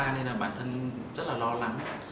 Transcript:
nên là bản thân rất là lo lắng